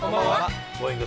Ｇｏｉｎｇ！